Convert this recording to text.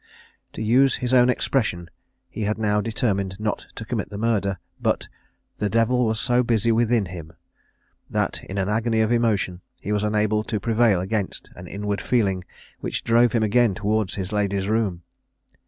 To use his own expression, he had now determined not to commit the murder, but "the devil was so busy within him," that, in an agony of emotion, he was unable to prevail against an inward feeling, which drove him again towards his lady's room.